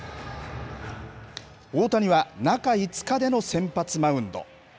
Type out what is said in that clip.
大谷は中５日での先発マウンド。